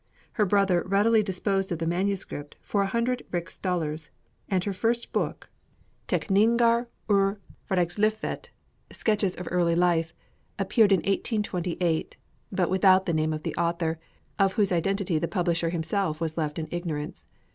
Her brother readily disposed of the manuscript for a hundred rix dollars; and her first book, 'Teckningar ur Hvardagslifvet' (Sketches of Every day Life), appeared in 1828, but without the name of the author, of whose identity the publisher himself was left in ignorance.